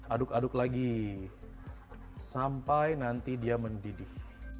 aduk aduk lagi sampai nanti dia mendidih